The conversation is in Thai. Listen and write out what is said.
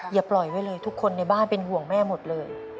อย่าปล่อยไว้เลยทุกคนในบ้านเป็นห่วงแม่หมดเลย